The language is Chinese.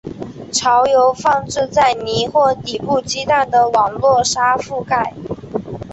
巢由放置在泥或底部鸡蛋的网络的沙覆盖。